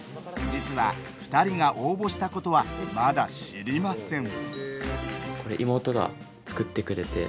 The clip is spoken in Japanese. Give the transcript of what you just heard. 実は２人が応募したことはまだ知りません。